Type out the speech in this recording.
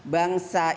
batu sopan berisi